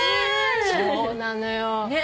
そうなのよ。ね。